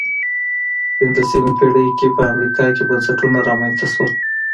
پنځلسمې پېړۍ کې په امریکا کې بنسټونه رامنځته شول.